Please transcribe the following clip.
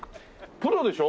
プロでしょ？